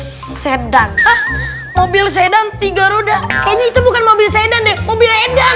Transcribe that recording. mobil sedan mobil sedan tiga roda kayaknya itu bukan mobil sedan mobil sedan